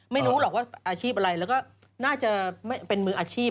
ไม่รู้หรอกว่าอาชีพอะไรแล้วก็น่าจะเป็นมืออาชีพ